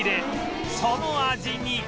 その味に